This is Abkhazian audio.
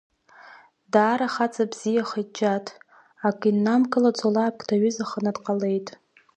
Даара хаҵа бзиахеит Џьаҭ, акы иннамкылаӡо алаапк даҩызаханы дҟалеит.